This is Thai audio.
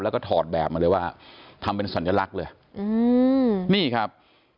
แล้วก็ถอดแบบมาเลยว่าทำเป็นสัญลักษณ์เลยอืมนี่ครับ